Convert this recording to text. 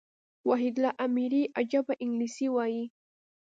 وحيدالله اميري عجبه انګلېسي وايي.